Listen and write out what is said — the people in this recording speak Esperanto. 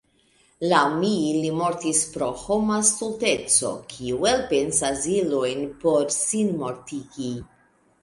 Laŭ mi ili mortis pro homa stulteco, kiu elpensas ilojn por sinmortigi.